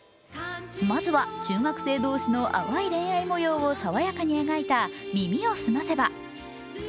まずは、中学生同士の淡い恋愛模様を爽やかに描いた「耳をすませば」。